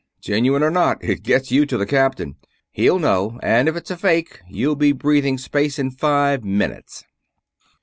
"Genuine or not, it gets you to the Captain. He'll know, and if it's a fake you'll be breathing space in five minutes."